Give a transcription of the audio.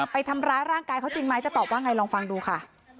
ไปทำร้ายร่างกายเขาจริงไหมจะตอบว่าไงลองฟังดูค่ะ